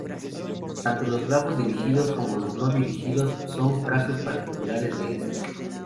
Tanto los grafos dirigidos como los no dirigidos son casos particulares de este.